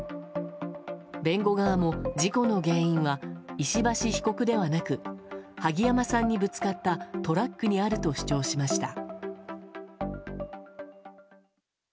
弁護側も事故の原因は石橋被告ではなく萩山さんにぶつかったトラックにあると主張しました。